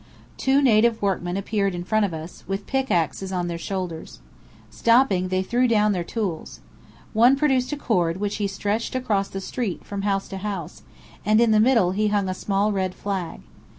Two native workmen appeared in front of us, with pickaxes on their shoulders. Stopping, they threw down their tools. One produced a cord which he stretched across the street from house to house; and in the middle he hung a small red flag.